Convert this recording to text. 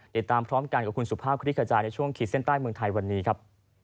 ติดตามพร้อมกันกับคุณสุภาพคลิกขจายในช่วงขีดเส้นใต้เมืองไทยวันนี้ครับ